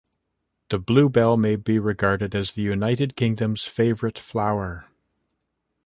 The bluebell may be regarded as the United Kingdom's "favourite flower".